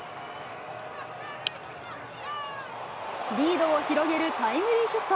リードを広げるタイムリーヒット。